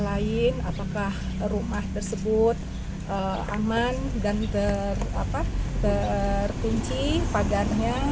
lain apakah rumah tersebut aman dan terkunci pagarnya